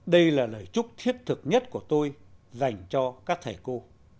đây là lời chúc thiết thực nhất của tôi dành cho các thầy cô